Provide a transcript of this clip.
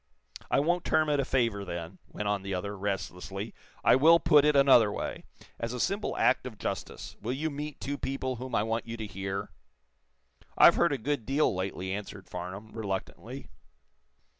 "I won't term it a favor, then," went on the other, restlessly. "I will put it another way. As a simple act of justice will you meet two people whom I want you to hear?" "I've heard a good deal, lately," answered Farnum, reluctantly.